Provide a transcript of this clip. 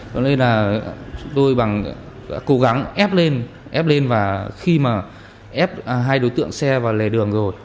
cho nên là chúng tôi bằng đã cố gắng ép lên ép lên và khi mà ép hai đối tượng xe vào lề đường rồi